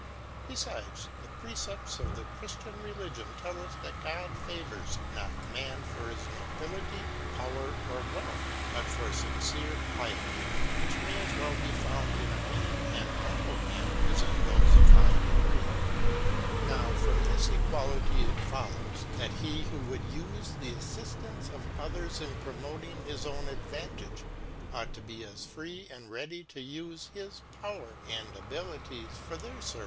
Be fides, the Precepts of the Chriftian Religion tell us that God favours not Man for his Nobility, Power, or Wealth, but for fmcere Piety ^ which may as well be found in a mean and humble Man, as in thofe of high degree. IIT. Now from this Equality it follows, That he This E' i^Jjo wotdd life the Jffiftance of others in promoting V^^{'7 his own Advantage^ ought to be as free and ready make us ^^ ^^f ^^^ Power and Abilities for their Service, when Chap.